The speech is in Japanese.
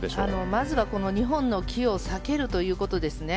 まずは２本の木を避けるということですね。